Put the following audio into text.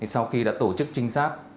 sau khi đã tổ chức trinh sát